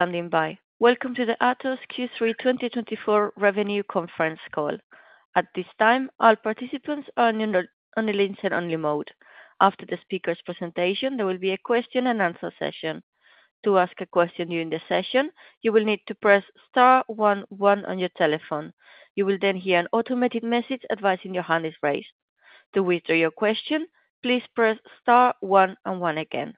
Standing by. Welcome to the Atos Q3 2024 Revenue Conference Call. At this time, all participants are on the listen only mode. After the speaker's presentation, there will be a question and answer session. To ask a question during the session, you will need to press star one one on your telephone. You will then hear an automated message advising your hand is raised. To withdraw your question, please press star one and one again.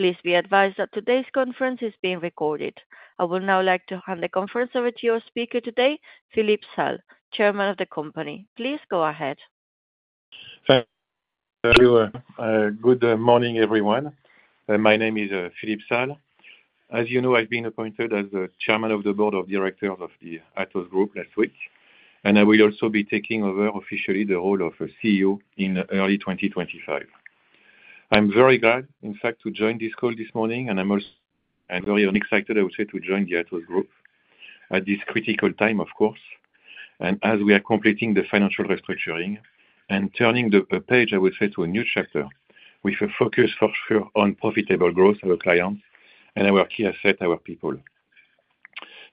Please be advised that today's conference is being recorded. I would now like to hand the conference over to your speaker today, Philippe Salle, Chairman of the company. Please go ahead. Thanks, everyone. Good morning, everyone. My name is, Philippe Salle. As you know, I've been appointed as the chairman of the board of directors of the Atos group last week, and I will also be taking over officially the role of CEO in early 2025. I'm very glad, in fact, to join this call this morning, and I'm also very excited, I would say, to join the Atos group at this critical time, of course. And as we are completing the financial restructuring and turning the page, I would say, to a new chapter with a focus for sure on profitable growth of our clients and our key asset, our people.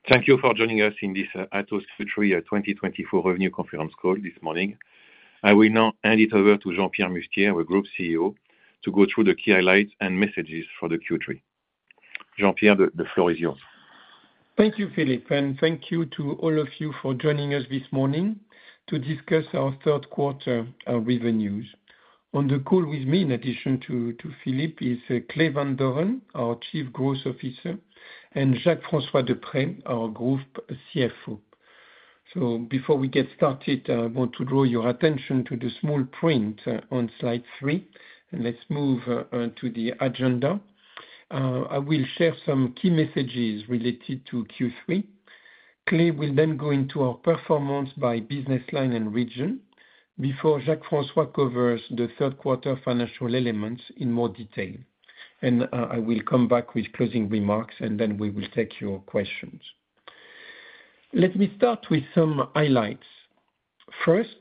Thank you for joining us in this Atos Q3 2024 revenue conference call this morning. I will now hand it over to Jean-Pierre Mustier, our Group CEO, to go through the key highlights and messages for the Q3. Jean-Pierre, the floor is yours. Thank you, Philippe, and thank you to all of you for joining us this morning to discuss our third quarter revenues. On the call with me, in addition to Philippe, is Clay Van Doren, our Chief Growth Officer, and Jacques-François de Prest, our Group CFO. So before we get started, I want to draw your attention to the small print on slide three. Let's move to the agenda. I will share some key messages related to Q3. Clay will then go into our performance by business line and region before Jacques-François covers the third quarter financial elements in more detail. And I will come back with closing remarks, and then we will take your questions. Let me start with some highlights. First,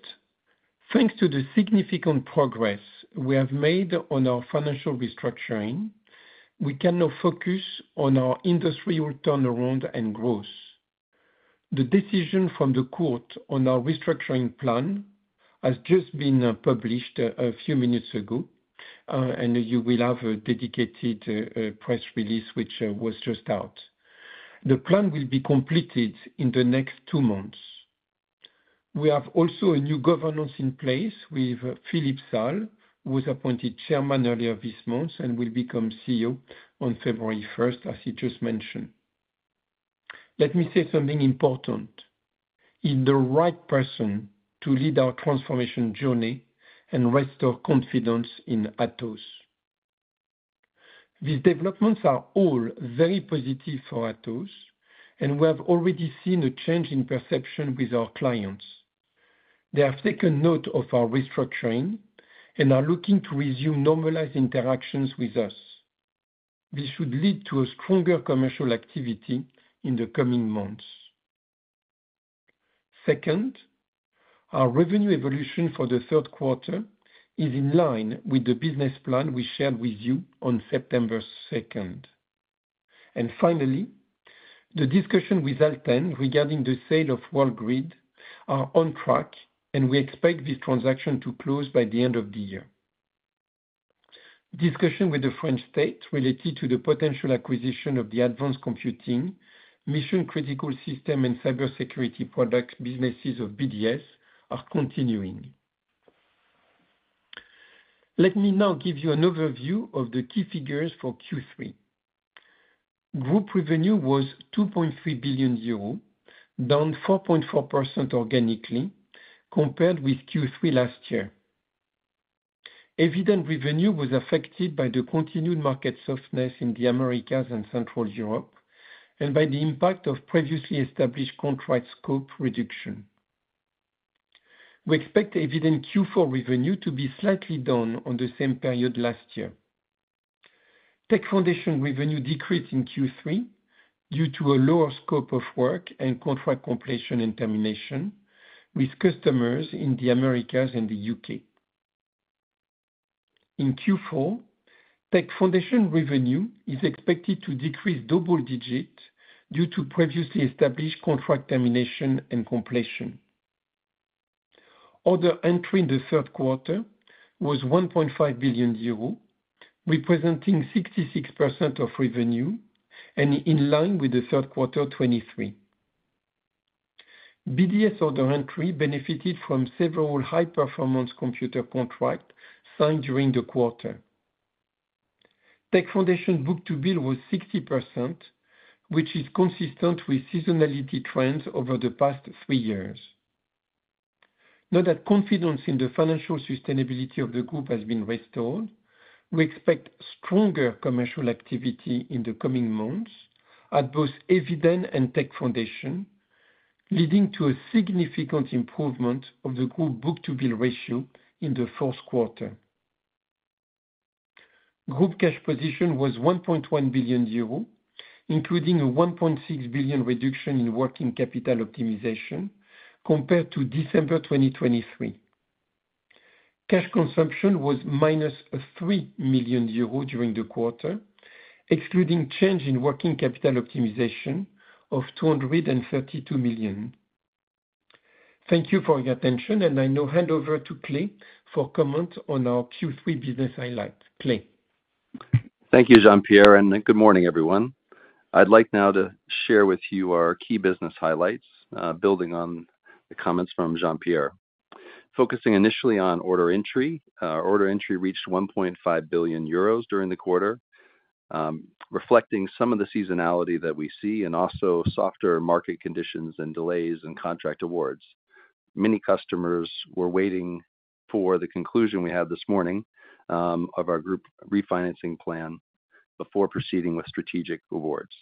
thanks to the significant progress we have made on our financial restructuring, we can now focus on our industry turnaround and growth. The decision from the court on our restructuring plan has just been published a few minutes ago, and you will have a dedicated press release, which was just out. The plan will be completed in the next two months. We have also a new governance in place with Philippe Salle, who was appointed chairman earlier this month and will become CEO on February first, as he just mentioned. Let me say something important. He's the right person to lead our transformation journey and restore confidence in Atos. These developments are all very positive for Atos, and we have already seen a change in perception with our clients. They have taken note of our restructuring and are looking to resume normalized interactions with us. This should lead to a stronger commercial activity in the coming months. Second, our revenue evolution for the third quarter is in line with the business plan we shared with you on September second, and finally, the discussion with Alten regarding the sale of Worldgrid are on track, and we expect this transaction to close by the end of the year. Discussion with the French state related to the potential acquisition of the advanced computing, mission-critical system and cybersecurity products, businesses of BDS are continuing. Let me now give you an overview of the key figures for Q3. Group revenue was 2.3 billion euros, down 4.4% organically, compared with Q3 last year. Eviden revenue was affected by the continued market softness in the Americas and Central Europe, and by the impact of previously established contract scope reduction. We expect Eviden Q4 revenue to be slightly down on the same period last year. Tech Foundations revenue decreased in Q3 due to a lower scope of work and contract completion and termination with customers in the Americas and the U.K. In Q4, Tech Foundations revenue is expected to decrease double digit due to previously established contract termination and completion. Order entry in the third quarter was 1.5 billion euro, representing 66% of revenue and in line with the third quarter 2023. BDS order entry benefited from several high-performance computer contracts signed during the quarter. Tech Foundations book-to-bill was 60%, which is consistent with seasonality trends over the past three years. Now that confidence in the financial sustainability of the group has been restored, we expect stronger commercial activity in the coming months at both Eviden and Tech Foundations, leading to a significant improvement of the group book-to-bill ratio in the fourth quarter. Group cash position was 1.1 billion euro, including a 1.6 billion reduction in working capital optimization compared to December 2023. Cash consumption was -3 million euros during the quarter, excluding change in working capital optimization of 232 million. Thank you for your attention, and I now hand over to Clay for comment on our Q3 business highlight. Clay? Thank you, Jean-Pierre, and good morning, everyone. I'd like now to share with you our key business highlights, building on the comments from Jean-Pierre. Focusing initially on order entry. Order entry reached 1.5 billion euros during the quarter, reflecting some of the seasonality that we see, and also softer market conditions and delays in contract awards. Many customers were waiting for the conclusion we had this morning, of our group refinancing plan before proceeding with strategic awards.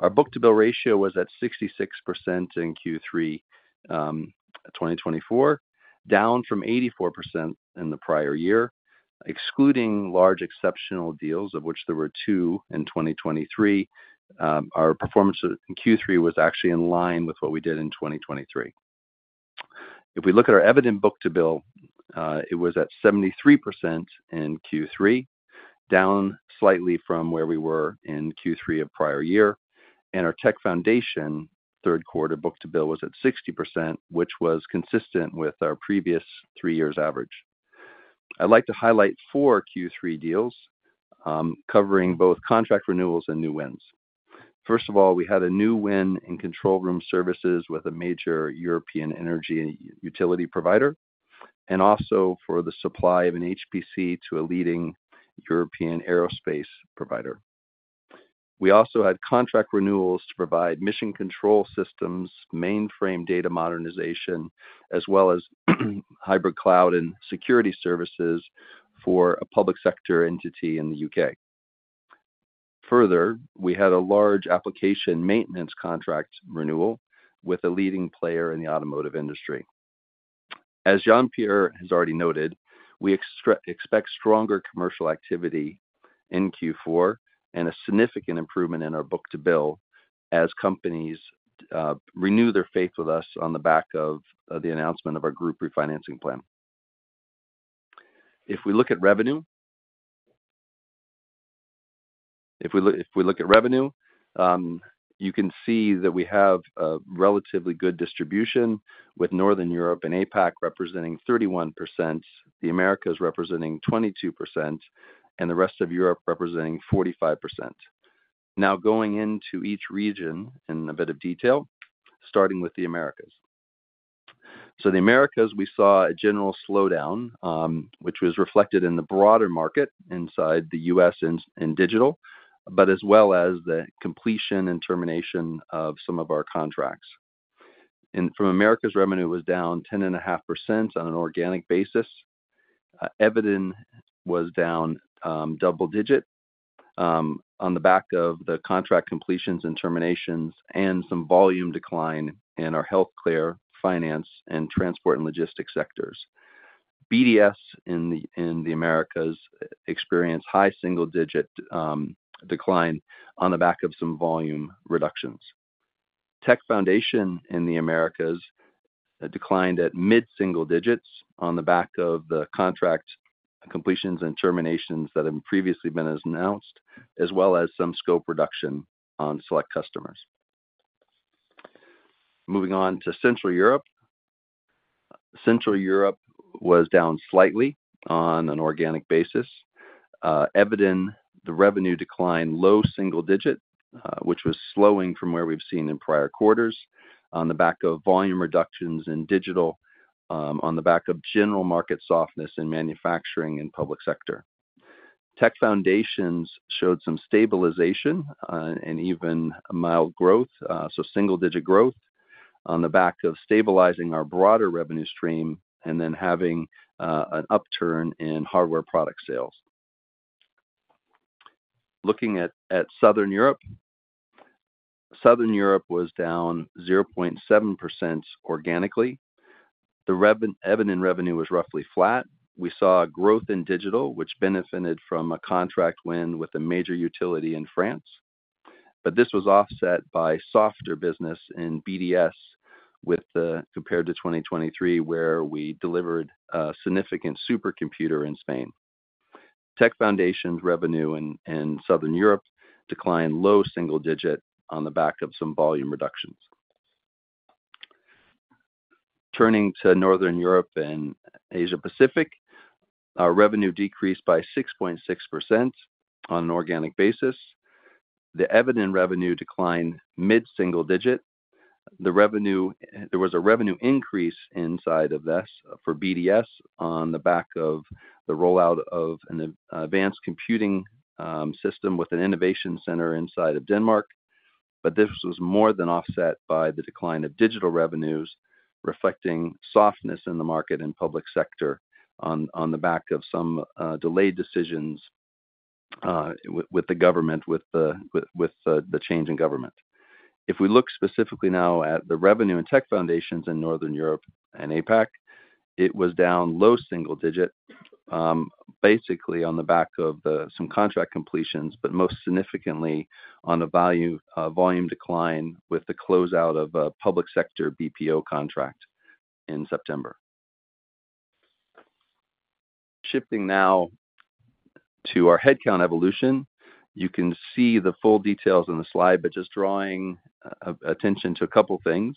Our book-to-bill ratio was at 66% in Q3 2024, down from 84% in the prior year, excluding large exceptional deals, of which there were two in 2023. Our performance in Q3 was actually in line with what we did in 2023. If we look at our Eviden book-to-bill, it was at 73% in Q3, down slightly from where we were in Q3 of prior year, and our Tech Foundations third quarter book-to-bill was at 60%, which was consistent with our previous three years average. I'd like to highlight four Q3 deals, covering both contract renewals and new wins. First of all, we had a new win in control room services with a major European energy utility provider, and also for the supply of an HPC to a leading European aerospace provider. We also had contract renewals to provide mission control systems, mainframe data modernization, as well as hybrid cloud and security services for a public sector entity in the U.K. Further, we had a large application maintenance contract renewal with a leading player in the automotive industry. As Jean-Pierre has already noted, we expect stronger commercial activity in Q4 and a significant improvement in our book-to-bill as companies renew their faith with us on the back of the announcement of our group refinancing plan. If we look at revenue, you can see that we have a relatively good distribution with Northern Europe and APAC representing 31%, the Americas representing 22%, and the rest of Europe representing 45%. Now, going into each region in a bit of detail, starting with the Americas. So the Americas, we saw a general slowdown, which was reflected in the broader market inside the U.S. and digital, but as well as the completion and termination of some of our contracts. And Americas' revenue was down 10.5% on an organic basis. Eviden was down double-digit on the back of the contract completions and terminations and some volume decline in our health care, finance, and transport and logistics sectors. BDS in the Americas experienced high single-digit decline on the back of some volume reductions. Tech Foundations in the Americas declined at mid-single digits on the back of the contract completions and terminations that have previously been as announced, as well as some scope reduction on select customers. Moving on to Central Europe. Central Europe was down slightly on an organic basis. Eviden, the revenue declined low single-digit which was slowing from where we've seen in prior quarters on the back of volume reductions in digital on the back of general market softness in manufacturing and public sector. Tech Foundations showed some stabilization and even mild growth, so single-digit growth on the back of stabilizing our broader revenue stream and then having an upturn in hardware product sales. Looking at Southern Europe. Southern Europe was down 0.7% organically. Eviden revenue was roughly flat. We saw a growth in digital, which benefited from a contract win with a major utility in France, but this was offset by softer business in BDS compared to 2023, where we delivered a significant supercomputer in Spain. Tech Foundations' revenue in Southern Europe declined low single-digit on the back of some volume reductions. Turning to Northern Europe and Asia Pacific, our revenue decreased by 6.6% on an organic basis. The Eviden revenue declined mid-single digit. The revenue, there was a revenue increase inside of this for BDS on the back of the rollout of an advanced computing system with an innovation center inside of Denmark, but this was more than offset by the decline of digital revenues, reflecting softness in the market and public sector on the back of some delayed decisions with the change in government. If we look specifically now at the revenue and Tech Foundations in Northern Europe and APAC, it was down low single digits, basically on the back of some contract completions, but most significantly on the value volume decline with the closeout of a public sector BPO contract in September. Shifting now to our headcount evolution, you can see the full details in the slide, but just drawing attention to a couple things.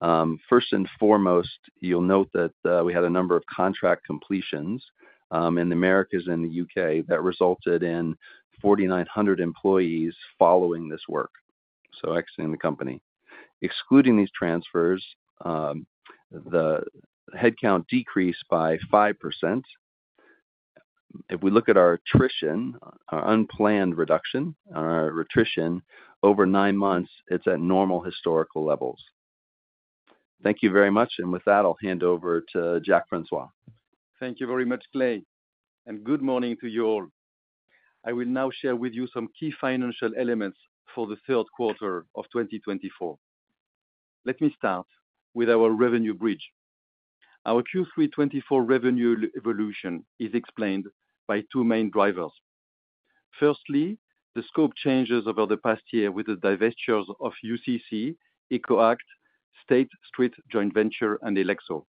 First and foremost, you'll note that we had a number of contract completions in the Americas and the U.K., that resulted in 4,900 employees following this work, so exiting the company. Excluding these transfers, the headcount decreased by 5%. If we look at our attrition, our unplanned reduction, our attrition, over nine months, it's at normal historical levels. Thank you very much, and with that, I'll hand over to Jacques-François. Thank you very much, Clay, and good morning to you all. I will now share with you some key financial elements for the third quarter of 2024. Let me start with our revenue bridge. Our Q3 2024 revenue evolution is explained by two main drivers. Firstly, the scope changes over the past year with the divestitures of UCC, EcoAct, State Street joint venture, and Elexo.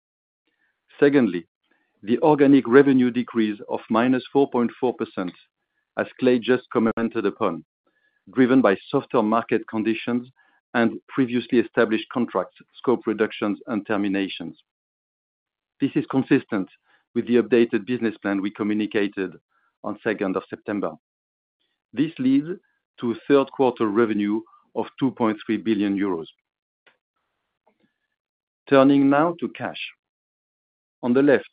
Secondly, the organic revenue decrease of -4.4%, as Clay just commented upon, driven by softer market conditions and previously established contract scope reductions and terminations. This is consistent with the updated business plan we communicated on 2nd of September. This leads to a third quarter revenue of 2.3 billion euros. Turning now to cash. On the left,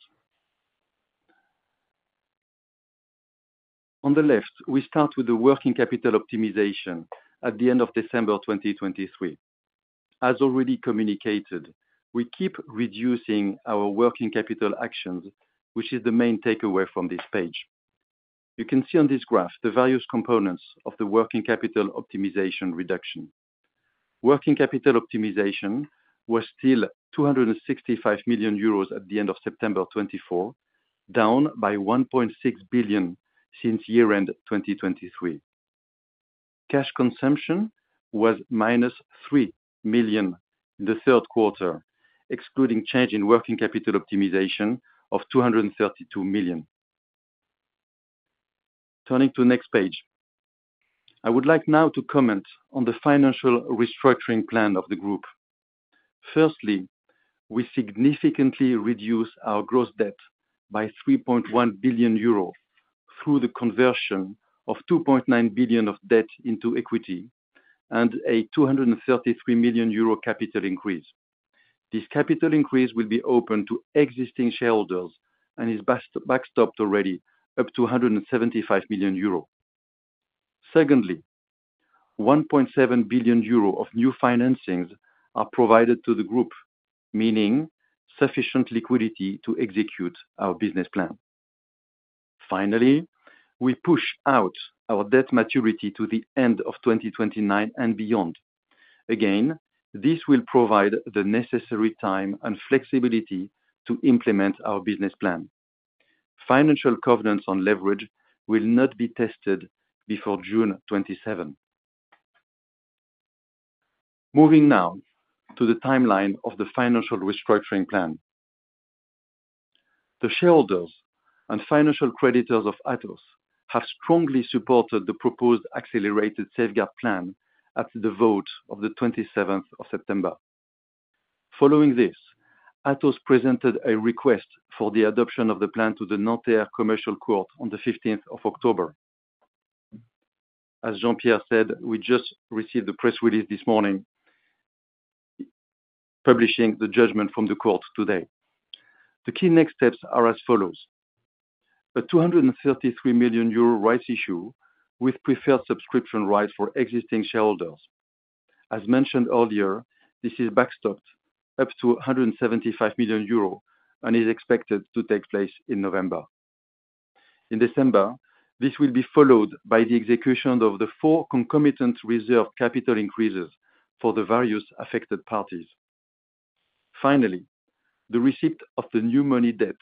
we start with the working capital optimization at the end of December 2023. As already communicated, we keep reducing our working capital actions, which is the main takeaway from this page. You can see on this graph the various components of the working capital optimization reduction. Working capital optimization was still 265 million euros at the end of September 2024, down by 1.6 billion since year-end 2023. Cash consumption was -3 million in the third quarter, excluding change in working capital optimization of 232 million. Turning to the next page. I would like now to comment on the financial restructuring plan of the group. Firstly, we significantly reduce our gross debt by 3.1 billion euro through the conversion of 2.9 billion of debt into equity and a 233 million euro capital increase. This capital increase will be open to existing shareholders and is backstopped already up to 175 million euro. Secondly, 1.7 billion euro of new financings are provided to the group, meaning sufficient liquidity to execute our business plan. Finally, we push out our debt maturity to the end of 2029 and beyond. Again, this will provide the necessary time and flexibility to implement our business plan. Financial covenants on leverage will not be tested before June 2027. Moving now to the timeline of the financial restructuring plan. The shareholders and financial creditors of Atos have strongly supported the proposed accelerated safeguard plan at the vote of the 27th of September. Following this, Atos presented a request for the adoption of the plan to the Nanterre Commercial Court on the 15th of October. As Jean-Pierre said, we just received the press release this morning, publishing the judgment from the court today. The key next steps are as follows: a 233 million euro rights issue with preferred subscription rights for existing shareholders. As mentioned earlier, this is backstopped up to 175 million euro and is expected to take place in November. In December, this will be followed by the execution of the four concomitant reserve capital increases for the various affected parties. Finally, the receipt of the new money debt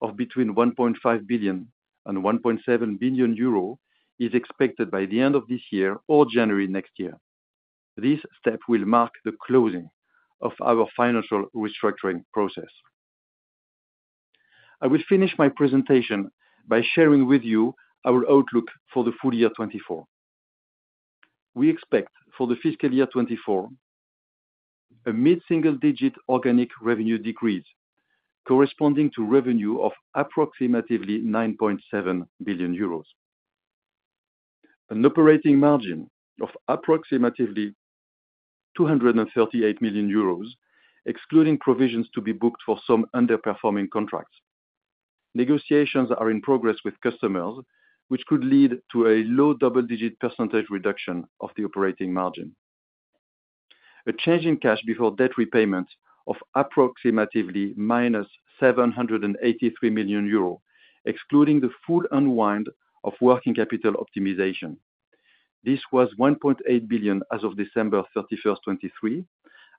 of between 1.5 billion and 1.7 billion euro is expected by the end of this year or January next year. This step will mark the closing of our financial restructuring process. I will finish my presentation by sharing with you our outlook for the full year 2024. We expect for the fiscal year 2024, a mid-single-digit organic revenue decrease, corresponding to revenue of approximately 9.7 billion euros. An operating margin of approximately 238 million euros, excluding provisions to be booked for some underperforming contracts. Negotiations are in progress with customers, which could lead to a low double-digit percentage reduction of the operating margin. A change in cash before debt repayments of approximately -783 million euro, excluding the full unwind of working capital optimization. This was 1.8 billion as of December 31st, 2023,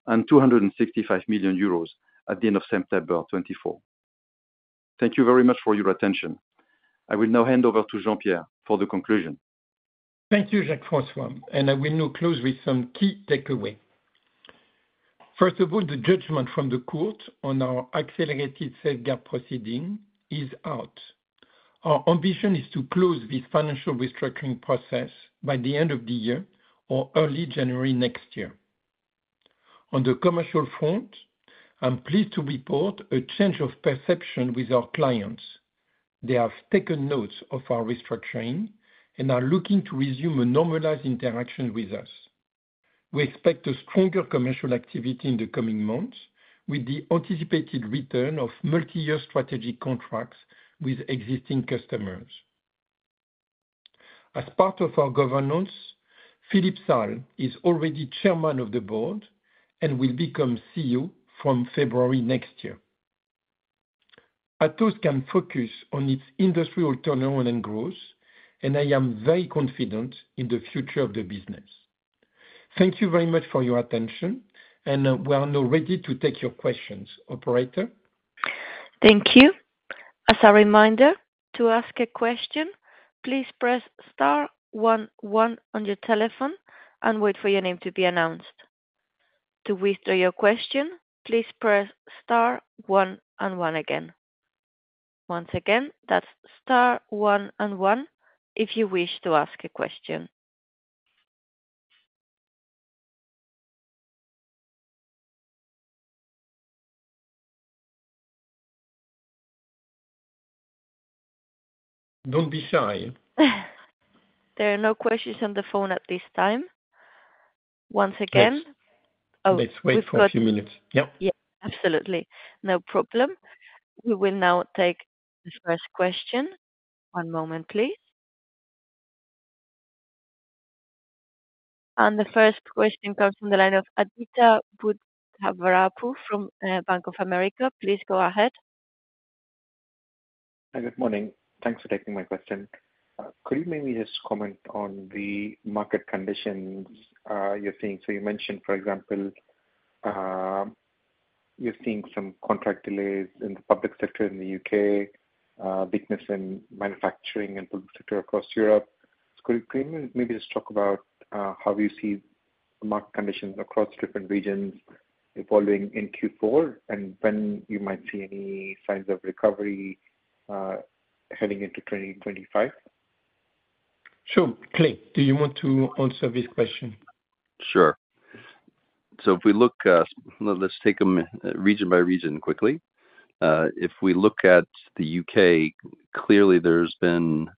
and 265 million euros at the end of September of 2024. Thank you very much for your attention. I will now hand over to Jean-Pierre for the conclusion. Thank you, Jacques-François, and I will now close with some key takeaway. First of all, the judgment from the court on our accelerated safeguard proceeding is out. Our ambition is to close this financial restructuring process by the end of the year or early January next year. On the commercial front, I'm pleased to report a change of perception with our clients. They have taken notes of our restructuring and are looking to resume a normalized interaction with us. We expect a stronger commercial activity in the coming months, with the anticipated return of multi-year strategy contracts with existing customers. As part of our governance, Philippe Salle is already chairman of the board and will become CEO from February next year. Atos can focus on its industrial turnaround and growth, and I am very confident in the future of the business. Thank you very much for your attention, and, we are now ready to take your questions. Operator? Thank you. As a reminder, to ask a question, please press star one one on your telephone and wait for your name to be announced. To withdraw your question, please press star one and one again. Once again, that's star one and one if you wish to ask a question. Don't be shy. There are no questions on the phone at this time. Once again- Let's- Oh. Let's wait for a few minutes. Yep. Yeah, absolutely. No problem. We will now take the first question. One moment, please. And the first question comes from the line of Aditya Buddhavarapu from Bank of America. Please go ahead. Hi, good morning. Thanks for taking my question. Could you maybe just comment on the market conditions you're seeing? So you mentioned, for example, you're seeing some contract delays in the public sector in the U.K., weakness in manufacturing and public sector across Europe. So could you maybe just talk about how you see the market conditions across different regions evolving in Q4, and when you might see any signs of recovery heading into 2025? Sure. Clay, do you want to answer this question? Sure. So if we look, let's take them region by region quickly. If we look at the U.K., clearly there's been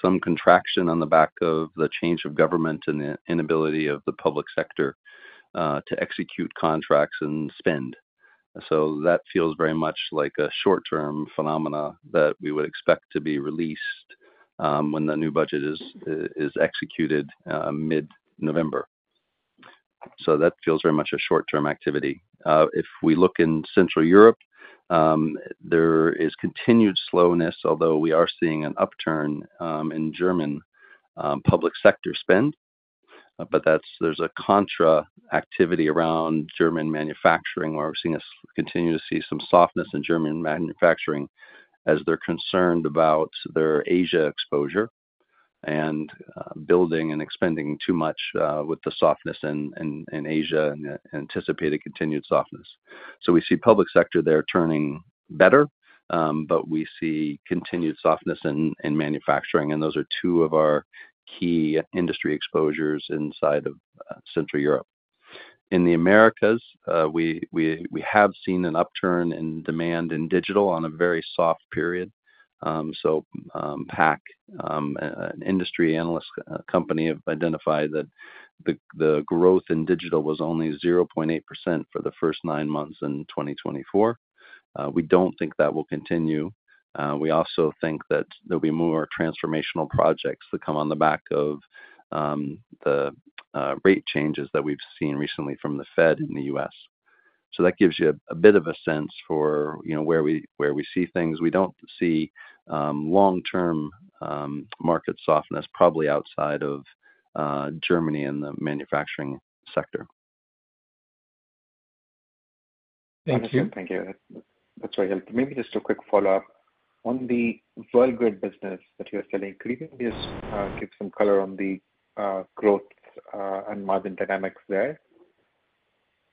some contraction on the back of the change of government and the inability of the public sector to execute contracts and spend. So that feels very much like a short-term phenomenon that we would expect to be released, when the new budget is executed, mid-November. So that feels very much a short-term activity. If we look in Central Europe, there is continued slowness, although we are seeing an upturn, in German public sector spend. But there's a contra activity around German manufacturing, where we're seeing some softness in German manufacturing as they're concerned about their Asia exposure and building and expanding too much with the softness in Asia and anticipated continued softness. So we see public sector there turning better, but we see continued softness in manufacturing, and those are two of our key industry exposures inside of Central Europe. In the Americas, we have seen an upturn in demand in digital on a very soft period. PAC, an industry analyst company, have identified that the growth in digital was only 0.8% for the first nine months in 2024. We don't think that will continue. We also think that there'll be more transformational projects that come on the back of the rate changes that we've seen recently from the Fed in the U.S. So that gives you a bit of a sense for, you know, where we see things. We don't see long-term market softness, probably outside of Germany and the manufacturing sector. Thank you. Thank you. That's very helpful. Maybe just a quick follow-up. On the Worldgrid business that you are selling, could you just give some color on the growth and margin dynamics there?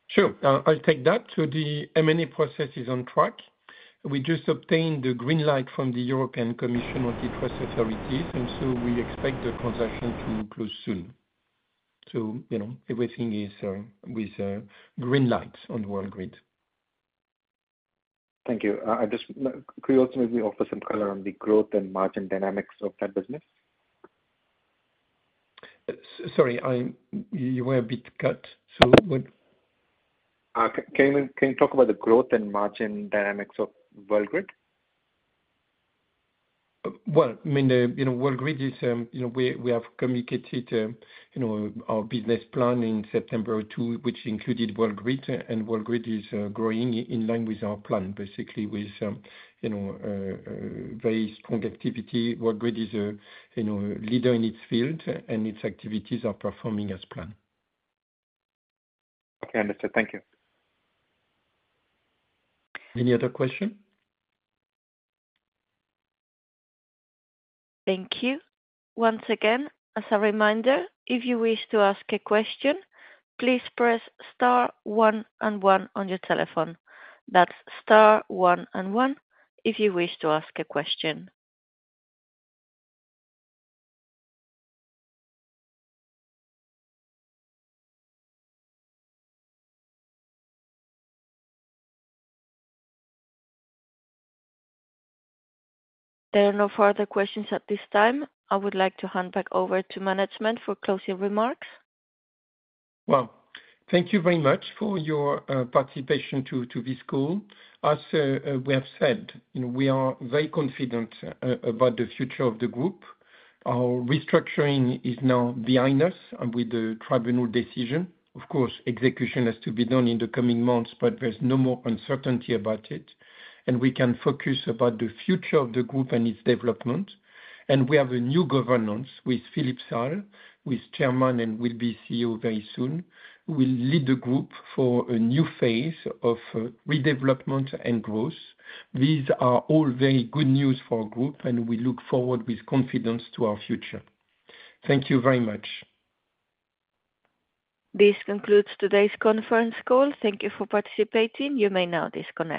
Sure. I'll take that. So the M&A process is on track. We just obtained the green light from the European Commission on the antitrust authorities, and so we expect the transaction to close soon. So, you know, everything is with green light on Worldgrid. Thank you. I just. Could you also maybe offer some color on the growth and margin dynamics of that business? Sorry, you were a bit cut. So what? Can you talk about the growth and margin dynamics of Worldgrid? I mean, you know, Worldgrid is, you know, we have communicated, you know, our business plan in September 2, which included Worldgrid, and Worldgrid is growing in line with our plan, basically with, you know, very strong activity. Worldgrid is a, you know, leader in its field, and its activities are performing as planned. Okay, understood. Thank you. Any other question? Thank you. Once again, as a reminder, if you wish to ask a question, please press star one and one on your telephone. That's star one and one if you wish to ask a question. There are no further questions at this time. I would like to hand back over to management for closing remarks. Well, thank you very much for your participation to this call. As we have said, you know, we are very confident about the future of the group. Our restructuring is now behind us and with the tribunal decision. Of course, execution has to be done in the coming months, but there's no more uncertainty about it, and we can focus about the future of the group and its development. And we have a new governance with Philippe Salle, who is Chairman and will be CEO very soon, who will lead the group for a new phase of redevelopment and growth. These are all very good news for our group, and we look forward with confidence to our future. Thank you very much. This concludes today's conference call. Thank you for participating. You may now disconnect.